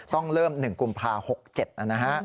ต้องเริ่ม๑กลุ่มพาพันธุ์๖๗นะฮะ